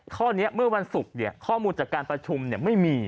ข้อนี้เมื่อวันศุกร์ข้อมูลจากการประชุมไม่มี